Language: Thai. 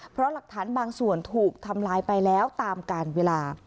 เพราะหลักฐานบางส่วนถูกทำลายไปแล้วตามการเวลา